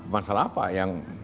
masalah apa yang